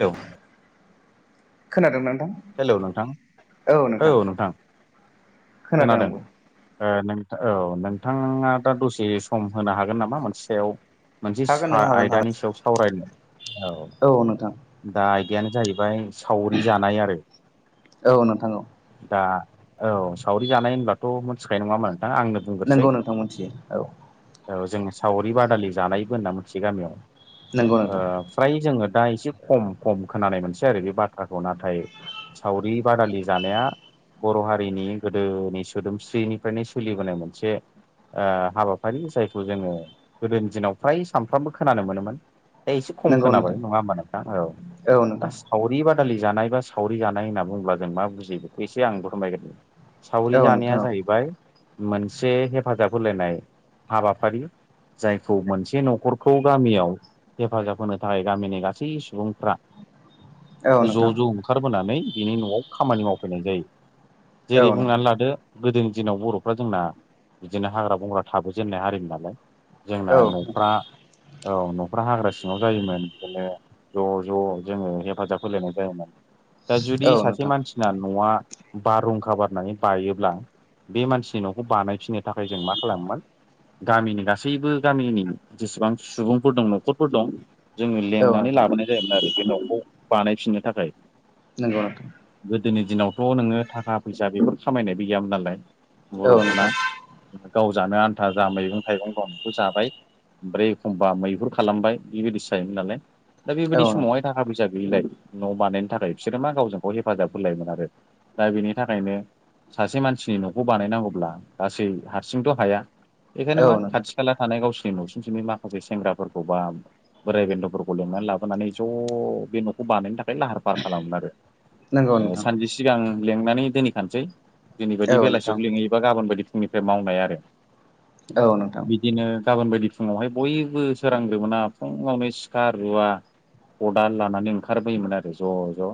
औ खोनादों नोंथां हेलौ नोंथां औ नोंथां खोनादों। ओ औ नोंथाङा दा दसे सम होनो हागोन नामा मोनसे सायाव मोनसे हागोन सा नों हागोन हागोन आयदानि सायाव सावरायनाय औ औ नोंथां दा आयदायानो जाहैबाय सावरि जानाय आरो औ नोंथां औ दा औ सावरि जानाय होनब्लाथ' मिथिखानाय नङामोन नोंथां आंनो बुंग्रोसै नंगौ नोंथां मोनथियो औ औ जों सावरि बादालि जानायबो होनना मोनसे नंगौ नोंथां गामियाव फ्राय जोङो दा एसे खम-खम खोनानाय मोनसै आरो बे बाथ्राखौ नाथाय सावरि बादालि जानाया बर' हारिनि गोदोनि सोदोमस्रिनिफ्रायनो सोलिबोनाय मोनसे ओ हाबाफारि जायखौ जोङो गोदोनि दिनाव फ्राय सानफ्रोमबो खोनानो मोनोमोन दा एसे खम नंगौ खोनाबाय नोंथां नङा होमबा नोंथां औ औ नोंथां [unintelligible] सावरि बादालि जानाय बा सावरि जानाय होनना बुङोब्ला जों मा बुजि बेखौ एसे आं [unintelligible] सावरि औ जानाया नोंथां जाहैबाय मोनसे हेफाजाब होलायनाय हाबाफारि जायखौ मोनसे न'खरखौ गामियाव हेफाजाब होनो थाखाय गामिनि गासै सुबुंफ्रा औ नोंथां ज' ज' खारबोनानै बिनि न'आव खामानि मावफैनाय जायो औ जेरै नोंथां बुंनानै लादो गोदोनि दिनाव बर'फ्रा जोंना बिदिनो हाग्रा बंग्रा थाबोजेनन्नाय हारिनि नालाय जोंना औ न'फ्रा नोंथां औ न'फ्रा हाग्रा सिङाव जायोमोन बिदिनो ज' ज' जोङो हेफाजाब होलायनाय जायोमोन दा जुदि औ सासे नोंथां मानसि ना न'आ बारहुंखा बारनानै बायोब्ला बे मानसिनि न'खौ बानायफिननो थाखाय जों मा खालामोमोन गामिनि गासैबो गामिनि जेसेबां सुबुंफोर दं न'खरफोर दं जोङो औ लेंनानै नोंथां लाबोनाय जायोमोन आरो बे न'खौ बानायफिननो थाखाय नोंगौ [unintelligible] गोदोनि दिनावथ' नोङो थाखा फैसा बेफोर खामायनायबो गैयामोन नालाय औ बर'फोरना नोंथां गाव जानो आन्था जा मैगं थाइगं गाव बेखौ जाबाय ओमफ्राय एखमबा मैहुर खालामबाय बेबायदिसो जायोमोन नालाय दा बेबायदि औ नोंथां समावहाय दा खा फैसा गैयिलाय न' बानायनो थाखाय बिसोरो मा गावजों गाव हेफाजाब होलायोमोन आरो दा बेनि थाखायनो सासे मानसिनि न'खौ बानायनांगौब्ला गासै हारसिंथ' हाया बेखायनो औ मा नोंथां खाथि खाला थानाय गावसिनि न'सुंसेनि माखासे सेंग्राफोरखौ बा बोराय बेन्थ'फोरखौ [unintelligible] नानै लाबोनानै ज' बे न'खौ बानायनो थाखाय लाहार फार खालामोमोन‌ आरो। नंगौ ओ नोंथां सानजिस सिगां लेंनानै दोनैखानोसै दिनै बायदि औ नोंथां बेलासियाव लिङहैयोबा गाबोन बायदि फुंनिफ्राय मावनाय आरो औ नोंथां बिदिनो गाबोन बायदि फुङावहाय बयबो सोरांग्रोमोना फुङावनो सिखा रुवा खदाल लानानै ओंखारबोयोमोन आरो ज' ज'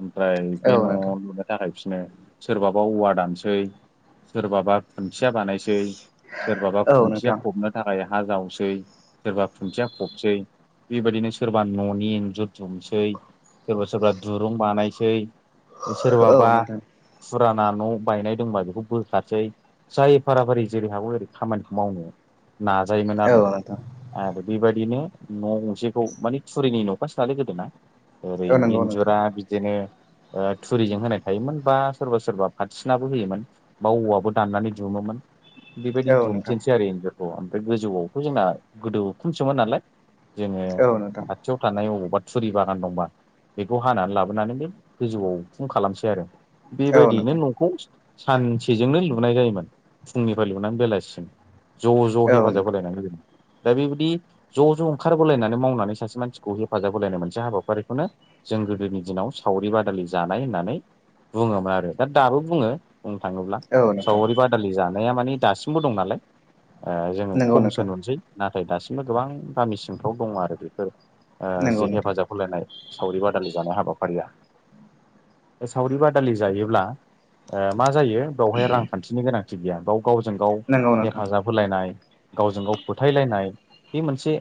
ओमफ्राय औ नोंथां औ बे न' नोंथां लुनो दाखायफिनो सोरबाबा औवा दानसै सोरबाबा खुन्थिया बानायसै सोरबाबा औ खुन्थिया नोंथां फबनो थाखाय हा जावसै सोरबा खुन्थिया फबसै बेबायदिनो सोरबा न'नि इन्जुर दुमसै सोरबा सोरबा दुरुं बानायसै सोरबाबा औ नोंथां फुराना न' बायनाय दंबा बेखौ बोखारसै जाय फाराफारि जेरै हागौ ओरै खामानिखौ मावनो नाजायोमोन आरो औ आरो बेबायदिनो न खौ माने थुरिनि न'खासो नालै गोदोना ओरै नंगौ नोंथां इन्जुरा बिदिनो थुरिजों होनाय थायोमोन बा सोरबा सोरबा पारसिनाबो होयोमोन बा औवाबो दाननानै दुमोमोन बेबायदि औ नोंथां औ नोंथां दुमथेनसै आरो इन्जरखौ ओमफ्राय गोजौआवथ' जोंना गोदो उखुमसोमोन नालाय जोङो औ नोंथां खाथियाव थानाय अबावबा थुरि बागान दंबा बेखौ हानानै लाबोनानै बे गोजौआव फुं खालामसै आरो बेबायदियैनो न'खौ सानसेजोंनो लुनाय जायोमोन फुंनिफ्राय लुनानै बेलासिसिम ज' ज' औ नोंथां हेफाजाब होलायनानै [unintelligible] दा बेबायदि ज' ज' ओंखार बलायनानै मावनानै सासे मानसिखौ हेफाजाब होलायनाय मोनसे हाबाफारिखौनो जों गोदोनि दिनाव सावरि बादालि जानाय होननानै बुङोमोन आरो दा दाबो बुङो बुंनो थाङोब्ला औ नोंथां सावरि बादालि जानाया मानि दासिमबो दं नालाय ओ जोङो नंगौ खमसो नोंथां नुनोसै नाथाय दासिमबो गोबां गामि सिंफ्राव दङ आरो बेफोर ओ नंगौ जि नोंथां हेफाजाब होलायनाय सावरि बादालि जानाय हाबाफारिया ओ सावरि बादालि जायोब्ला ओ मा जायो बेवहाय रांखान्थिनि गोनांथि गैया बाव गावजों गाव नंगौ नोंथां हेफाजाब होलायनाय गावजों गाव फोथायलायनाय बे मोनसे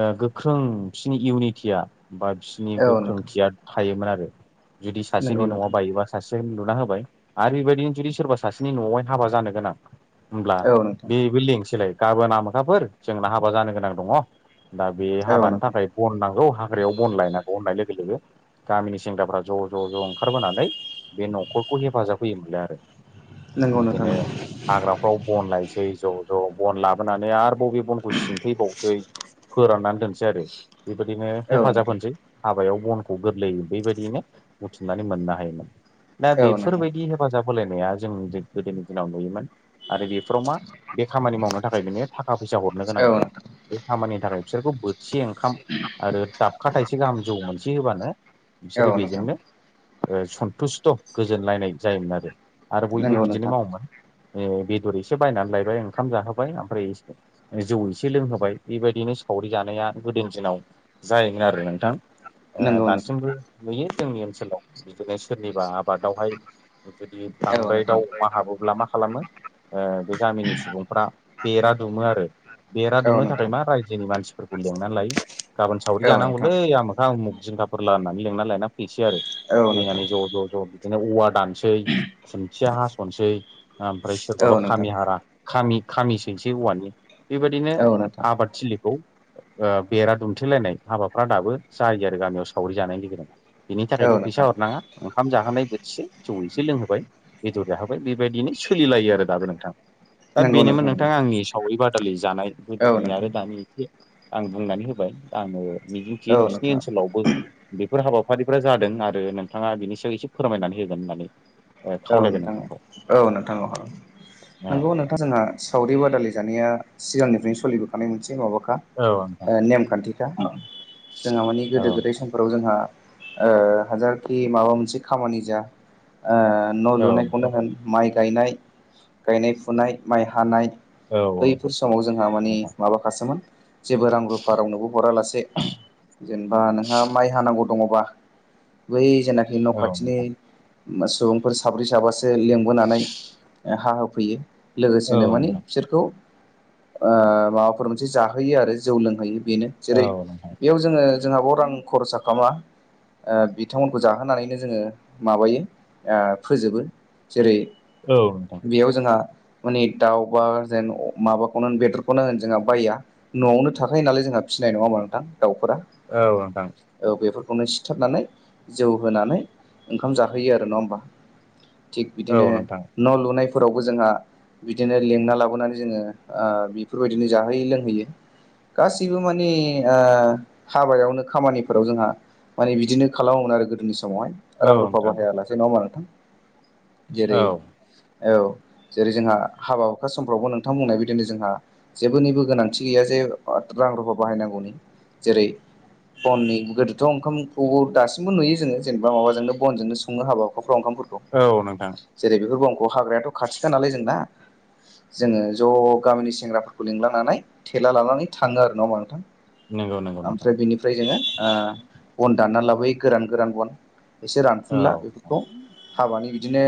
ओ गोख्रों बिसोरनि इउनिटिया बा बिसोरनि औ नोंथां गोख्रोंथिया थायोमोन आरो जुदि नंगौ सासेनि न'आव नोंथां बायोबा सासे लुना होबाय आरो बेबायदिनो जुदि सोरबा सासेनि न'आवहाय हाबा जानो गोनां होमब्ला औ नोंथां बे बिल्डिंसोलाय गाबोना आमोखाफोर जोंना हाबा जानो गोनां दङ दा बे औ हाबानि नोंथां थाखाय बन नांगौ हाग्रायाव बन लायनांगौ होननाय लोगो लोगो गामिनि सेंग्राफ्रा ज' ज' ज' ओंखारबोनानै बे न'खरखौ हेफाजाब होयोमोनलाय आरो नंगौ नोंथां बिदिनो हाग्राफ्राव बन लायनोसै ज' ज' बन लाबोनानै आरो बे बनखौ सिनफैबावनोसै फोराननानै दोनसै आरो बेबायदिनो औ हेफाजाब नोंथां होनोसै हाबायाव बनखौ गोरलैयै बेबायदियैनो बुथुमनानै मोननो हायोमोन। दा औ नोंथां बेफोरबायदि हेफाजाब होलायनाया जों जो गोदोनि दिनाव नुयोमोन। आरो बेफोराव मा बे खामानि मावनो थाखाय बिनोनो थाखा फैसा हरनो गोनां औ गैया। नोंथां बे खामानिनि थाखाय बिसोरखौ बोथिसे ओंखाम आरो दाबखा थाइसे गाहाम जौ मोनसे होबानो औ बिसोरो नोंथां बेजोंनो ओ सन्थुस्थ' गोजोनलायनाय जायोमोन आरो आरो बयबो नंगौ बिदिनो नोंथां मावोमोन। ओ बेदर एसे बायनानै लायबाय ओंखाम जाहोबाय ओमफ्राय जौ एसे लोंहोबाय। बेबायदिनो सावरि जानाया गोदोनि दिनाव जायोमोन आरो नोंथां। ओ नंगौ नोंथां दासिमबो नुयो जोंनि ओनसोलाव बिदिनो सोरनिबा आबादावहाय जुदि औ बांद्राय नोंथां दाउ अमा हाबोब्ला मा खालामो बे गामिनि सुबुंफ्रा बेरा दुमो आरो। बेरा औ दुमनो थाखाय नोंथां मा रायजोनि मानसिफोरखौ लेंनानै लायो। गाबोन सावरि औ नोंथां जानांगौलै आमोखा उमुख जिंखा फोरला होननानै लेंना लायना फैनोसै आरो। औ फैनानै नोंथां ज' ज' ज' बिदिनो औवा दानसै सुन्थिया हास'नोसै। ओमफ्राय औ नोंथां औ सोरबाबा खामि नोंथां हारा खामि खामि सैनिसै औवानि बेबायदिनो औ नोंथां आबादथिलिखौ ओ बेरा दुमथेलायनाय हाबाफ्रा दाबो जायो आरो गामियाव सावरि जानायनि गेजेरजों। बेनि थाखायल' फैसा हरनाङा ओंखाम जाहोनाय बोथिसे जौ एसे लोंहोबाय। बेदर जाहोबाय, बेबायदिनो सोलिलायो आरो दाबो नोंथां। दा नंगौ बेनोमोन नोंथां नोंथाङा आंनि सावरि बादालि जानाय औ नोंथां औ गोदोनि नोंथां आरो दानि एसे आं बुंनानै होबाय आङो मिजिंथियो औ नोंसिनि ओनसोलावबो बेफोर हाबाफारिफ्रा जादों आरो नोंथाङा बिनि सायाव एसे फोरमायनानै होगोन होननानै ओ औ खावलायबाय नोंथाङो नोंथांखौ औ नोंथां औ औ नंगौ नोंथां जोंहा सावरि बादालि जानाया सिगांनिफ्रायनो सोलिबोखानाय मोनसे माबाखा औ नोंथां ओ नेमखान्थिखा जोंहा माने औ गोदो गोदाय सम फ्राव जोंहा ओ हाजारखि माबा मोनसे खामानि जाया ओ न' औ लुनायखौनो होन माइ गायनाय गायनाय फुनाय माइ हानाय। औ बैफोर समाव जोंहा मानि नोंथां माबाखासोमोन जेबो रां रुफा रावनोबो हरा लासे जेनेबा नोंहा माइ हानांगौ दङबा बै जेनाखि न' औ खाथिनि नोंथां सुबुंफोर साब्रै साबासो लिंबोनानै हाहोफैयो। लोगोसेनो औ माने नोंथां बिसोरखौ ओ माबाफोर मोनसे जाहोयो आरो जौ लोंहोयो बेनो। जेरै औ नोंथां बेयाव जोङो जोंहा बेयाव रां खरसा खालामा। ओ बिथांमोनखौ जाहोनानैनो जोङो माबायो फोजोबो जेरै औ नोंथां बेयाव जोंहा माने दाउ बा जेन माबाखौनो होन बेदरखौनो होन जोंहा बाया न'आवनो थाखायो नालाय जोंहा फिसिनाय नङा होनबा नोंथां दाउफोरा औ नोंथां औ बेफोरखौनो सिथाबनानै जौ होनानै ओंखाम जाहोयो आरो नङा होमबा? थिग बिदिनो औ नोंथां न' लुनायफोरावबो जोंहा बिदिनो लेंना लाबोनानै जोङो बेफोरबायदिनो ओ जाहोययो लोंहोयो। गासैबो माने हाबायावनो खामानिफोराव जोंहा माने बिदिनो खालामोमोन आरो गोदोनि समावहाय औ रां रुफा नोंथां बाहायालासे नङा होनबा नोंथां जेरै औ औ जेरै जोंहा हाबा हुखा समफ्रावबो नोंथां बुंनाय बिदिनो जोंहा जेबबोनिबो गोनांथि गैया जे रां रुफा बाहायनांगौनि जेरै बननि गोदोथ' ओंखामखौबो दासिमबो नुयो जोङो जेनेबा माबाजों बनजोंनो सङो हाबा हुखाफ्राव ओंखामफोरखौ औ नोंथां। जेरै बेफोरबो अंखौ हाग्रायाथ' खाथिखा नालाय जोंना जोङो ज' गामिनि सेंग्राफोरखौ लिंलानानै थेला लानानै थाङो आरो ना नङा होनबा नंगौ नंगौ नोंथां नोंथां ओमफ्राय बिनिफ्राय जोङो ओ बन दानना लाबोयो गोरान गोरान बन। एसे औ रानफुनला बेफोरखौ हाबानि बिदिनो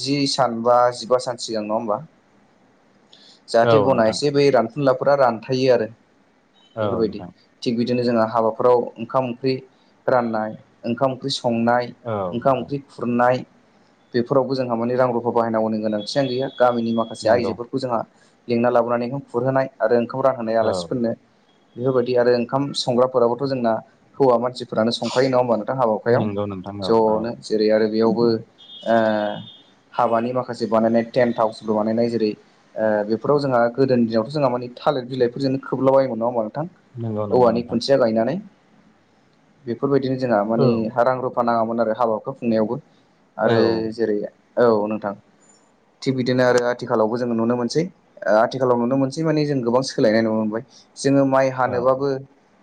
जि सान बा जिबा सान सिगां नङा होमबा जाहाथे औ नोंथां बनायसै बै रानखुनलाफोरा रानथायो आरो औ बेफोरबायदि। नोंथां थिग बिदिनो जोङो हाबाफोराव ओंखाम ओंख्रि राननाय ओंखाम ओंख्रि संनाय औ ओंखाम नोंथां ओंख्रि खुरनाय बेफोरावबो जोंहा माने रां रुफा बाहायनांगौनि गोनांथियानो गैया गामिनि माखासे नंगौ आइजोफोर जोंहा लेंना लाबोनानै खुरहोनाय आरो ओंखाम रानहोनाय औ आलासिफोरनो। बेफोरबायदि आरो ओंखाम संग्राफोराबोथ' जोंना हौवा मानसिफोरानो संखायो नङा होमबा नोंथां हाबा हुखायाव नंगौ नोंथां औ औ ज'नो जेरै आरो बेयावबो ओ हाबानि माखासे बानायनाय टेन्ट हाउसबो बानायनाय जेरै ओ बेफोराव जोंहा गोदो दिनावथ' जोंहा मानानि थालिर बिलाइफोरजोंनो खोबलाबायोमोन नङा होनबा नोंथां नंगौ नंगौ औवानि नोंथां खुन्थिया गायनानै बेफोरबायदिनो जोंहा औ माने रां रुफा नाङामोन आरो हाबाखौ खुंनायावबो औ आरो जेरै औ नोंथां थिग बिदिनो आरो आथिखालावबो जोङो नुनो मोनसै आथिखालाव नुनो मोनसै माने जों गोबां सोलायनाय नुनो मोनबाय। जोङो माइ औ हानोबाबो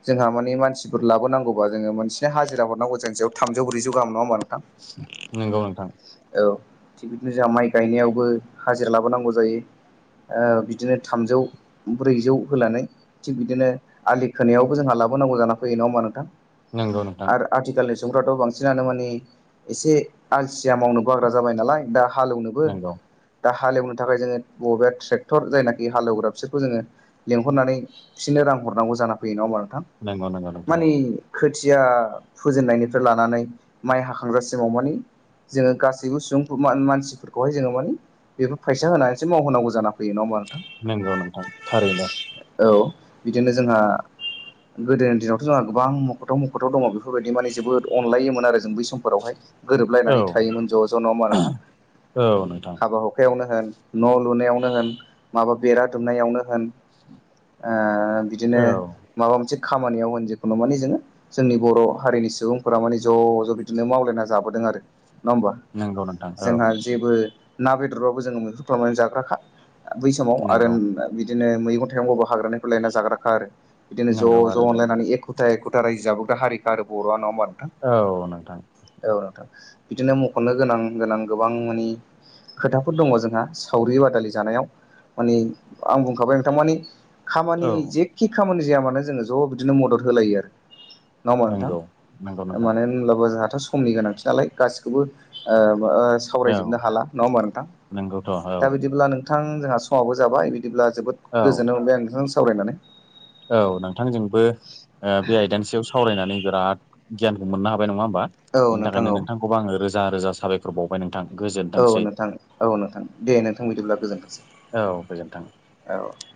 जोंहा माने मानसिफोर लाबोनांगौबा जोङो मोनसे हाजिरा हरनांगौ जों थामजौ ब्रैजौ गाहाम नङा होनबा नोंथां नंगौ नोंथां। औ थिग बिदिनो जोंहा माइ गायनायावबो हाजिरा लाबोनांगौ जायो। औ बिदिनो थामजौ ब्रैजौ होनानै थिग बिदिनो आलि खोनायावबो जोंहा लाबोनांगौ जाना फैयो नङा होमा नोंथां। नंगौ नोंथां। आरो आथिखालनि सुबुंफ्राथ' बांसिनानो मानि। एसे आलसिया मावनो बाग्रा जाबाय नालाय दा हालेवनोबो। नंगौ दा हालेवनो थाखाय जोंङो बबेबा ट्रेक्टर जायनाखि हालेवग्रा बिसोरखौ जोंङो। लेंहरनानै बिसोरनो रां हरनांगौ जाना फैयो नंङा होबा नोंथां नंगौ नंगौ नोंथां माने औ खोथिया फुजेननायनिफ्राय लानानै माइ हाखांजासिमाव माने जोंङो गासैबो सुबुं मानसिफोरखौहाय जोंङो माने। बेफोर फैसा होनानैसो मावहोनांगौ जाना फैयो नङा होमबा नोंथां नंगौ नोंथां थारैनो। औ बिदिनो जोंहा। गोदोनि दिनावथ' जोंहा गोबां मख'थाव मख'थाव दङ बेफोरबायदि माने जोबोद अनलायोमोन आरो जों बै समफोरावहाय। औ गोरोबलायनानै थायोमोन ज' ज' नङा' होमबा नोंथां। औ नोंथां। हाबा हुखायावनो होन न' लुनायावनो होन माबा बेरा दुमनायावनो होन। ओ बिदिनो औ माबा मोनसे खामानियाव होन जेखुनु माने जोंङो जोंनि बर' हारिनि सुबुंफोरा माने ज' ज' बिदिनो मावलायना जाबोदों आरो। नङा होमबा नंगौ नोंथां औ जोंहा जेबो ना बेदरबाबो जोंङो मैहुर खालामनानै जाग्राखा। बै समाव आरो नंगौ ओम बिदिनो मैगं थाइगंबाबो हाग्रानिफ्राय लायना जाग्राखा आरो। बिदिनो ज' नंगौ ज' आरो अनलायनानै एख'था एख'था रायजो जाबोब द हारिखा आरो बर' नङाबा नोंथां। औ नोंथां। औ नोंथां बिदिनो मख'नो गोनां गोनां गोबां मानि। खोथाफोर दङ जोंहा सावरि बादालि जानायाव माने आं बुंखाबाय नोंथां मानि खामानि औ जेखि खामानि जाया मानो जोंङो ज' बिदिनो मदद होलायो आरो। नङा होमबा नंगौ नंगौ नोंथां नोंथां माने। होनब्लाबो जोंहाथ' समनि गोनांथि नालाय गासिखौबो ओम ओ औ सावरायजोबनो हाला। नङा होमबा नोंथां नंगौथ' औ दा बिदिब्ला नोंथां जोंहा समाबबो जाबाय बिदिब्ला जोबोद औ गोजोननाय मोनबाय आं नोंथांजों सावरायनानै। औ नोंथांजोंबो। ओ बे आइदानि सायाव सावरायनानै बिराद गियानखौ मोननो हाबाय नङा होमबा। औ बेनि नोंथां थाखायनो औ नोंथांखौबो आंङो रोजा रोजा साबायखर बावबाय नोंथां गोजोन औ नोंथां औ नोंथां दे नोंथां बिदिब्ला गोजोनथोंसै। औ गोजोन थों। औ।